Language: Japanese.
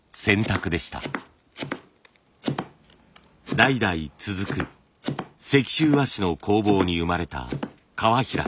代々続く石州和紙の工房に生まれた川平さん。